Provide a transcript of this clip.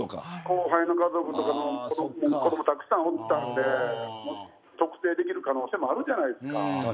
後輩の家族とか子ども、たくさんおったので特定できる可能性もあるじゃないですか。